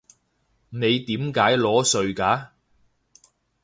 你點解裸睡㗎？